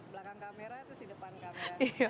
belakang kamera terus di depan kamera